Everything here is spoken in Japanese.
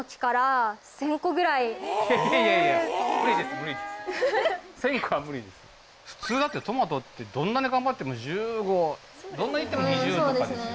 いやいやいやいや普通だってトマトってどんなに頑張っても１５どんないっても２０とかですよ